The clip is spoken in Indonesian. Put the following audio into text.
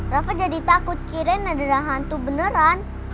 rafa jadi takut kira kira hantu beneran